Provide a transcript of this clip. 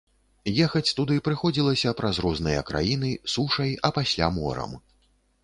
Ехаць туды прыходзілася праз розныя краіны сушай, а пасля морам.